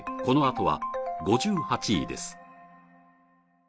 このあとは５８位です